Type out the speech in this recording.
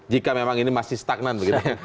jika memang ini masih stagnan